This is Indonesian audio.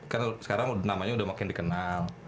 kan sekarang namanya udah makin dikenal